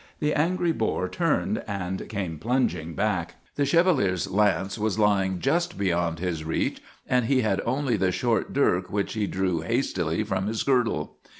The angry boar turned and came plunging back. The Chevalier's lance was lying just beyond his reach and he had only the short dirk which he drew hastily from his girdle.